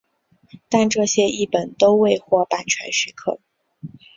但这些译本都未获版权许可。